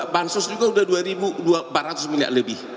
bansos juga sudah dua empat ratus miliar lebih